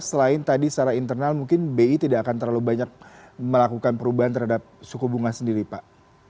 selain tadi secara internal mungkin bi tidak akan terlalu banyak melakukan perubahan terhadap suku bunga sendiri pak